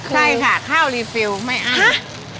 ใช่ค่ะข้าวรีฟิลไม่อั้น